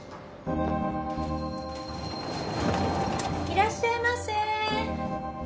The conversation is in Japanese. いらっしゃいませ。